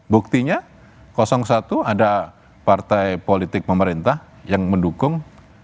buktinya satu ada partai politik pemerintah yang mendukung